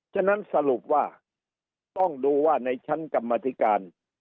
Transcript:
ฉะนั้นสรุปว่าต้องดูว่าในชั้นกรรมธิการ